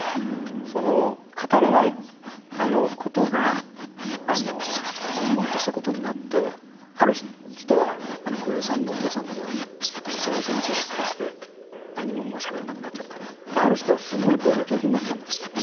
その語れないことがもんもんとしたことになってある人は黒井さんのお父さんのようにぼう然自失として何ももうしゃべれなくなっちゃったりある人は、すごい暴力的になっちゃうんですって。